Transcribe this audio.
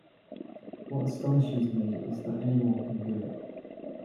What astonishes me is that anyone can do it.